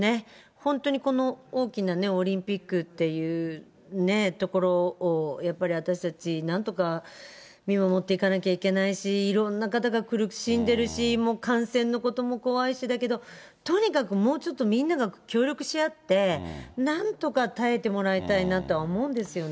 本当にこの、大きなオリンピックっていうところをやっぱり私たちなんとか見守っていかなきゃいけないし、いろんな方が苦しんでるし、感染のことも怖いしだけど、とにかくもうちょっとみんなが協力し合って、なんとか耐えてもらいたいなとは思うんですよね。